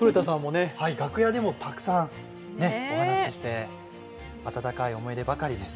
楽屋でもたくさん話をして温かい思い出ばかり。